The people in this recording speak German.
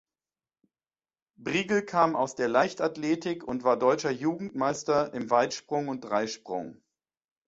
Briegel kam aus der Leichtathletik und war deutscher Jugendmeister im Weitsprung und Dreisprung.